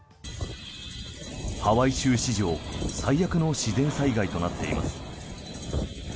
ハワイ州史上最悪の自然災害となっています。